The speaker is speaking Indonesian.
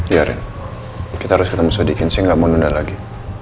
iya ren kita harus ke tempat masudikin saya gak mau nunda lagi